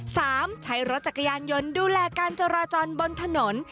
ใช้รถจักรยานยนต์ดูแลการจราจรบนถนน